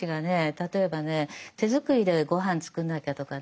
例えばね手作りでごはん作んなきゃとかね